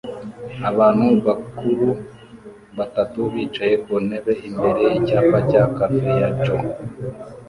Abantu bakuru batatu bicaye ku ntebe imbere yicyapa cya Cafe ya Joe